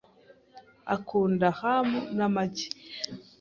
Akunda ham n'amagi .